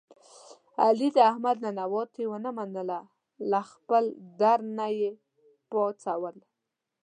علي د احمد ننواتې و نه منله له خپل در نه یې پا څول.